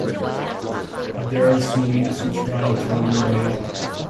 There’s no use in trying to run away.